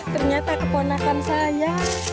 ternyata keponakan saya